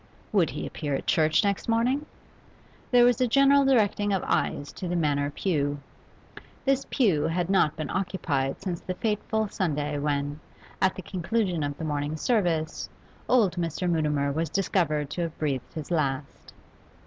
Would he appear at church next morning? There was a general directing of eyes to the Manor pew. This pew had not been occupied since the fateful Sunday when, at the conclusion of the morning service, old Mr. Mutimer was discovered to have breathed his last.